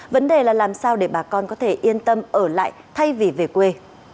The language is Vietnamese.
vấn đề là làm sao để bà con có thể yên tâm ở lại thay vì về quê